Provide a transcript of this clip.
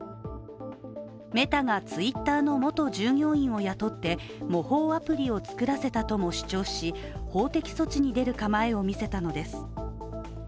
メタがＴｗｉｔｔｅｒの元従業員を雇って模倣アプリを作らせたとも主張し法的措置に出る構えを見せたのです。